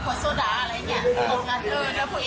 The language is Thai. มันมีตัวคำหนามะค่ะ